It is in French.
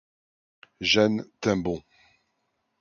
Jeanne tint bon.